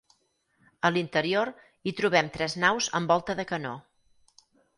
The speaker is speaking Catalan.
A l'interior, hi trobem tres naus amb volta de canó.